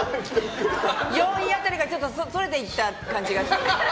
４位辺りからそれていった感じが。